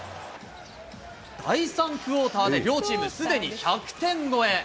第３クオーターで、両チームすでに１００点超え。